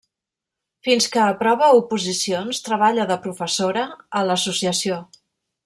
Fins que aprova oposicions, treballa de professora a l’Associació.